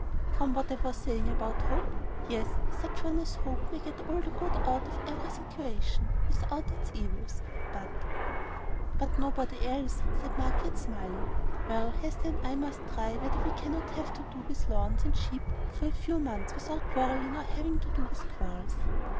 "From what I was saying about Hope. Yes; such an one as Hope may get all the good out of every situation, without its evils; but " "But nobody else," said Margaret, smiling. "Well, Hester and I must try whether we cannot have to do with lawns and sheep for a few months, without quarrelling or having to do with quarrels."